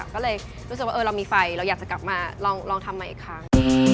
ก็เลยรู้สึกว่าเรามีไฟเราอยากจะกลับมาลองทำใหม่อีกครั้ง